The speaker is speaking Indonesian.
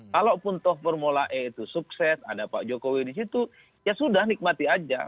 kalaupun toh formula e itu sukses ada pak jokowi di situ ya sudah nikmati aja